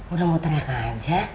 udah mau teriak aja